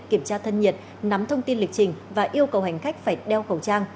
kiểm tra thân nhiệt nắm thông tin lịch trình và yêu cầu hành khách phải đeo khẩu trang